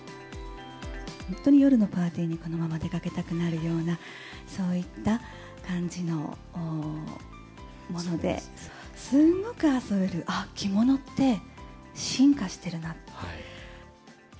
本当に夜のパーティーに、このまま出かけたくなるような、そういった感じのもので、すごく遊べる、あっ、着物って進化しているなと。